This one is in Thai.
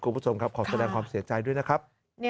คุณผู้ชมครับขอแสดงความเสียใจด้วยนะครับ